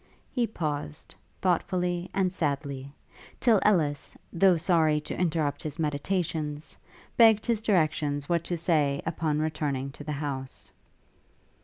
He paused, thoughtfully and sadly, till Ellis, though sorry to interrupt his meditations, begged his directions what to say upon returning to the house.